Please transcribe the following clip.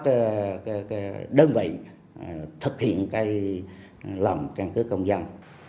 các đơn vị thực hiện cái lòng căn cước công dân